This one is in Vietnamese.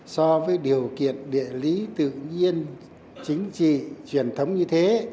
so với điều kiện địa lý tự nhiên chính trị truyền thống như thế